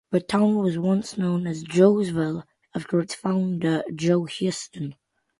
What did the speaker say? The town was once known as Joesville after its founder, Joe Huston.